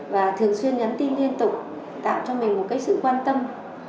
và thường xuyên nhắn tin liên tục tạo cho mình một sự quan tâm